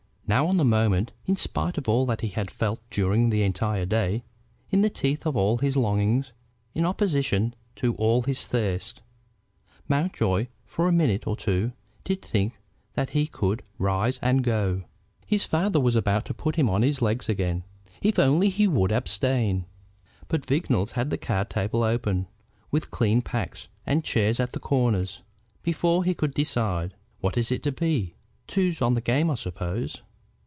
Now on the moment, in spite of all that he had felt during the entire day, in the teeth of all his longings, in opposition to all his thirst, Mountjoy for a minute or two did think that he could rise and go. His father was about to put him on his legs again, if only he would abstain. But Vignolles had the card table open, with clean packs, and chairs at the corners, before he could decide. "What is it to be? Twos on the game I suppose."